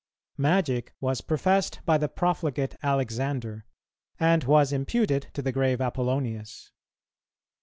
Magic was professed by the profligate Alexander, and was imputed to the grave Apollonius.